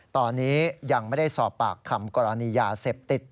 ตอนนี้ยังไม่ได้สอบปากคำกรณียาเสพติด